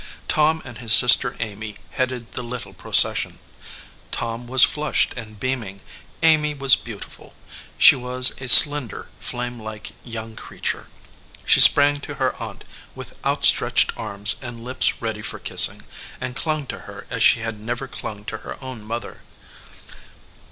Tom and his sister Amy headed the little procession. Tom was flushed and beaming, Amy was beautiful. She was a slender, flame like young creature. She sprang to her aunt with out stretched arms and lips ready for kissing, and clung to her as she had never clung to her o\vn mother.